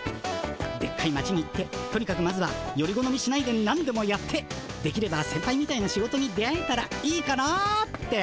でっかい町に行ってとにかくまずはよりごのみしないでなんでもやってできればせんぱいみたいな仕事に出会えたらいいかなって。